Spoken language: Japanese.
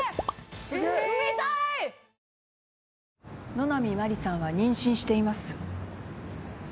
野波真理さんは妊娠しています。